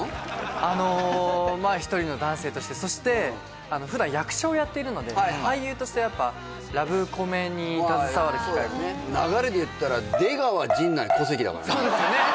あのまあ一人の男性としてそして普段役者をやっているので俳優としてやっぱラブコメに携わる機会も流れでいったら出川陣内小関だからね